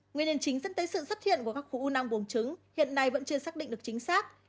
nguyên nhân chính dẫn tới sự xuất hiện của các khu u năng buồng trứng hiện nay vẫn chưa xác định được chính xác